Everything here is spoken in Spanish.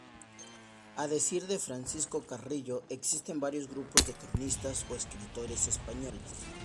A decir de Francisco Carrillo, existen varios grupos de cronistas o escritores españoles.